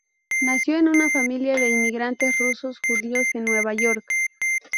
Nació en una familia de inmigrantes rusos judíos en Nueva York.